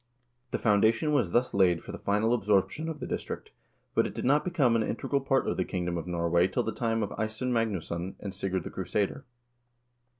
The foundation was thus laid for the final absorption of the district, but it did not become an integral part of the kingdom of Norway till the time of Eystein Magnusson and Sigurd the Crusader.